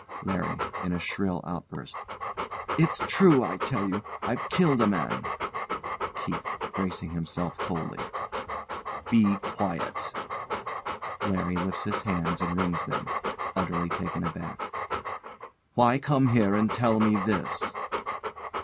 LARRY. [In a shrill outburst] It's true, I tell you; I've killed a man. KEITH. [Bracing himself; coldly] Be quiet! LARRY lifts his hands and wrings them. [Utterly taken aback] Why come here and tell me this?